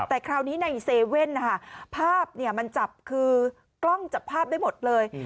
แต่คราวนี้ในเซเว่นนะคะภาพมันจับคือกล้องจับภาพได้หมดเลย